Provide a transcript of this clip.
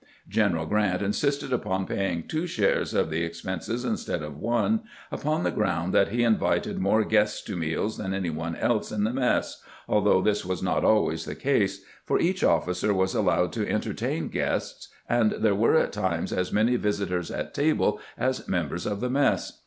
General G rant insisted upon paying two shares of the expenses instead of one, upon the ground that he invited more guests to meals than any one else in the mess, although this was not always the case, for each officer was al lowed to entertain guests, and there were at times as many visitors at table as members of the. mess.